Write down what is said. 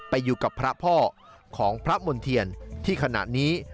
ไปอยู่กับพระพ่อของพระมณ์เทียนที่ขณะนี้